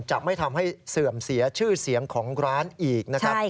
จะไม่ทำให้เสื่อมเสียชื่อเสียงของร้านอีกนะครับ